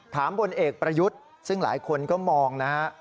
บนเอกประยุทธ์ซึ่งหลายคนก็มองนะฮะ